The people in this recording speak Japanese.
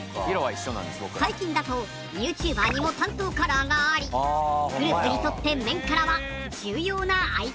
最近だとＹｏｕＴｕｂｅｒにも担当カラーがありグループにとってメンカラは重要なアイコンになっています。